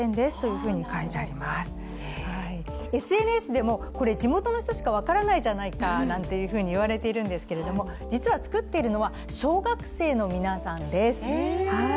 ＳＮＳでも、地元の人しか分からないじゃないかなんて言われているんですけれども、実は作っているのは小学生の皆さんです。